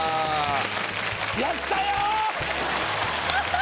やったよ！